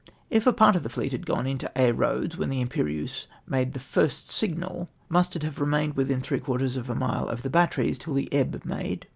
—" If a part of the fleet had gone into Aix Eoads when the Irnper'ieuse made the first signal, must it have remained within three quarters of a mile of the batteries till the ebb made?"